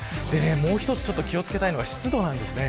もう一つ気を付けたいのが湿度です。